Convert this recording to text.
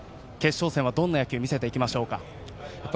決勝戦はどんな野球を見せていきましょう。